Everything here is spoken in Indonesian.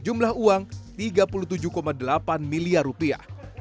jumlah uang tiga puluh tujuh dua miliar rupiah